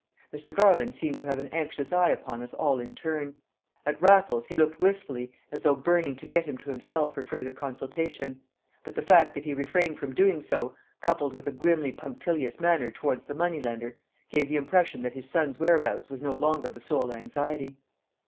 Mr. Garland seemed to have an anxious eye upon us all in turn; at Raffles he looked wistfully as though burning to get him to himself for further consultation; but the fact that he refrained from doing so, coupled with a grimly punctilious manner towards the money lender, gave the impression that his son's whereabouts was no longer the sole anxiety.